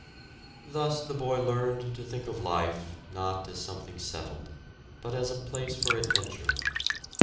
Thus the boy learned to think of life, not as something settled, but as a place for adventure.